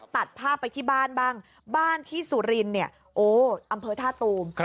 ตัดภาพไปที่บ้านบ้างบ้านที่สุรินเนี่ยโอ้อำเภอท่าตูม